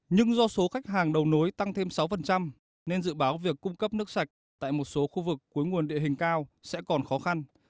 nhưng do số khách hàng đầu nối tăng thêm sáu nên dự báo việc cung cấp nước sạch tại một số khu vực cuối nguồn địa hình cao sẽ còn khó khăn